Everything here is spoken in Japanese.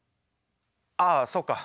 ああそうか。